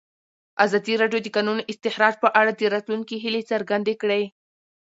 ازادي راډیو د د کانونو استخراج په اړه د راتلونکي هیلې څرګندې کړې.